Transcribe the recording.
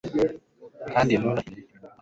kandi ntarahire ibinyoma hano